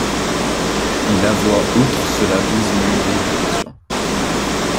Il avoit outre cela douze mille livres de pension.